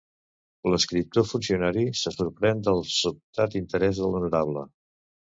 L'escriptor funcionari se sorprèn del sobtat interès de l'honorable.